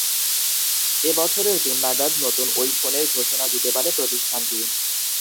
এ বছরের জুন নাগাদ নতুন ওই ফোনের ঘোষণা দিতে পারে প্রতিষ্ঠানটি।